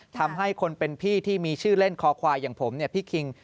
ทำให้คนเป็นพี่ที่มีชื่อเล่นคอควายอย่างผมเนี่ยพี่คิง